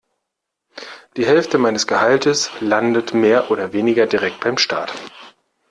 Die Hälfte meines Gehalts landet mehr oder weniger direkt beim Staat.